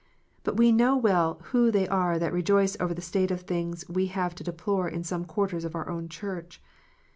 But we know well who they are that rejoice over the state of tilings we have to deplore in some quarters of our own Church.